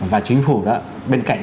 và chính phủ đó bên cạnh